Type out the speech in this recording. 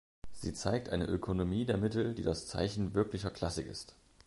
Sie zeigt eine Ökonomie der Mittel, die das Zeichen wirklicher Klassik ist“.